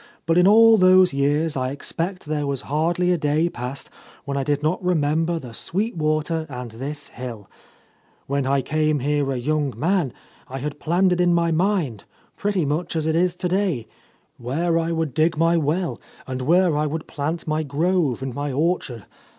But in all those years I expect there was hardly a day passed that I did not remember the Sweet Water and this hilli When I came here a young man, I had planned it in my mind, pretty much as it is today; where I would dig my well, and where I would plant my grove and my orchard.